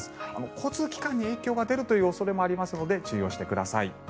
交通機関に影響が出るという恐れもありますので注意をしてください。